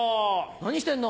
何してんの？